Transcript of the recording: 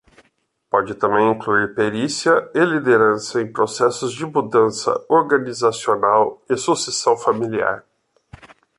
Pode também incluir perícia e liderança em processos de mudança organizacional e sucessão familiar.